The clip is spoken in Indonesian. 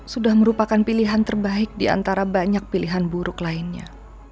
sudah merupakan pilihan terbaik diantara banyak pilihan buruk lainnya